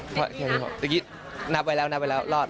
เมื่อกี้นับไว้แล้วรอด